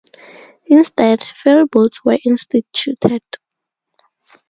Instead, ferry boats were instituted.